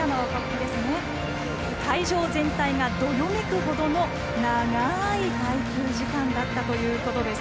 会場全体が、どよめくほどの長い滞空時間だったということです。